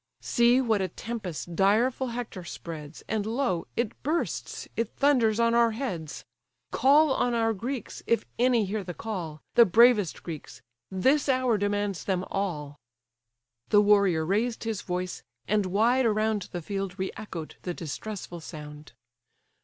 See what a tempest direful Hector spreads, And lo! it bursts, it thunders on our heads! Call on our Greeks, if any hear the call, The bravest Greeks: this hour demands them all." The warrior raised his voice, and wide around The field re echoed the distressful sound.